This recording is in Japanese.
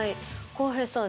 浩平さん